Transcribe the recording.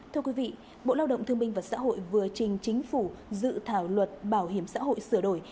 thưa quý vị bộ lao động thương minh và xã hội vừa trình chính phủ dự thảo luật bảo hiểm xã hội sửa đổi